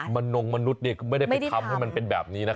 นงมนุษย์เนี่ยก็ไม่ได้ไปทำให้มันเป็นแบบนี้นะ